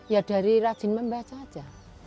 ya dari rajin membaca aja